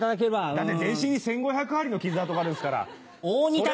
だって全身に１５００針の傷痕があるんですから。